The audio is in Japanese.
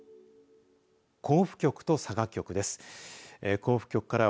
甲府局と佐賀局です。